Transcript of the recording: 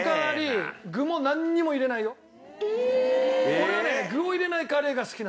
俺はね。